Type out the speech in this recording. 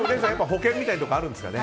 保険みたいなところあるんですかね。